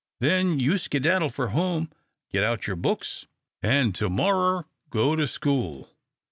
Then you skedaddle for home, git out your books, an' to morrer go to school."